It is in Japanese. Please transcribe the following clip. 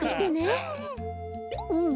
うん。